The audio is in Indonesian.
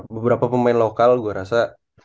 beberapa pemain lokal gue rasa